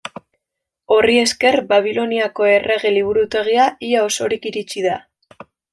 Horri esker Babiloniako errege liburutegia ia osorik iritsi da.